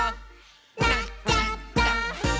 「なっちゃった！」